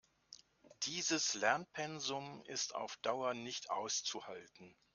Dieses Lernpensum ist auf Dauer nicht auszuhalten.